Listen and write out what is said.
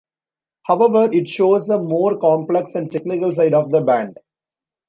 However it shows a more complex and technical side of the band.